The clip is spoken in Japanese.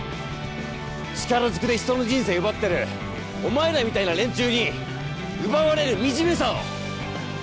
力ずくでひとの人生奪ってるお前らみたいな連中に奪われる惨めさを。